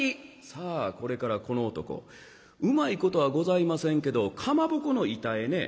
さあこれからこの男うまいことはございませんけどかまぼこの板へね